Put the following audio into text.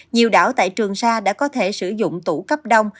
nhiều đảo tại trường sa đã có thể sử dụng tủ cấp đông